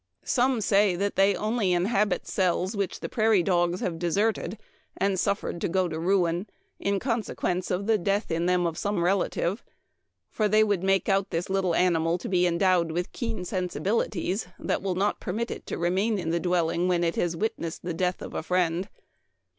" Some say that they only inhabit cells which the prairie dogs have deserted, and suffered to go to ruin, in consequence of the death in them of some relative ; for they would make out this little animal to be endowed with keen sensibili ties, that will not permit it to remain in the dwelling when it has witnessed the death of a friend.